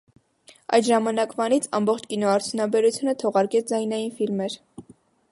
Այդ ժամանակվանից ամբողջ կինոարդյունաբերությունը թողարկեց ձայնային ֆիլմեր։